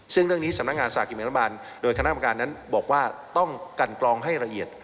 ซึ่งเรื่องนี้สำนักงานสลากกินแบ่งรัฐบาลโดยคณะกรรมการนั้นบอกว่าต้องกันกรองให้ละเอียด